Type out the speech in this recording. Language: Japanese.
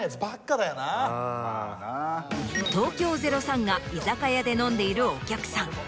東京０３が居酒屋で飲んでいるお客さん